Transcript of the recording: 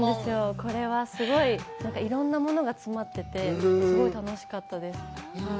これはすごいいろんなものが詰まってて、すごい楽しかったです。